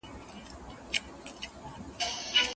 ايا پلار هوښيار دی؟